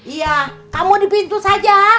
iya kamu di pintu saja